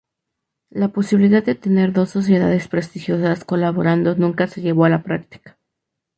La posibilidad de tener dos sociedades prestigiosas colaborando nunca se llevó a la práctica.